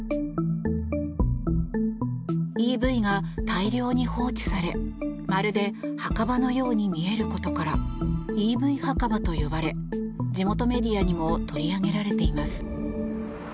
ＥＶが大量に放置され、まるで墓場のように見えることからＥＶ墓場と呼ばれ地元メディアにも取り上げられています。